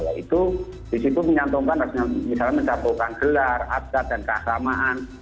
yaitu disitu menyantungkan misalnya mencantumkan gelar adat dan keagamaan